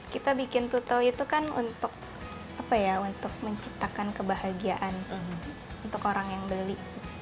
kita bikin tutel itu kan untuk menciptakan kebahagiaan untuk orang yang beli